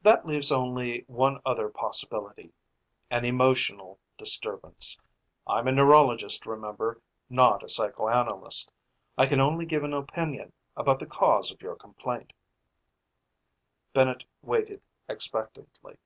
That leaves only one other possibility an emotional disturbance. I'm a neurologist, remember, not a psychoanalyst. I can only give an opinion about the cause of your complaint." Bennett waited expectantly.